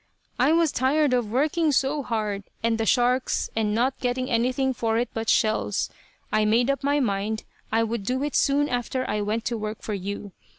I was tired of working so hard, and the sharks, and not getting anything for it but shells. I made up my mind I would do it soon after I went to work for you.